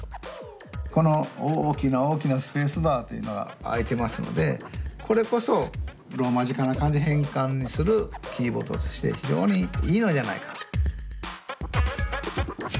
この大きな大きなスペースバーというのが空いてますのでこれこそローマ字かな漢字変換するキーボードとして非常にいいのじゃないかと。